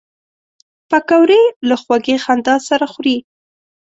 پکورې له خوږې خندا سره خوري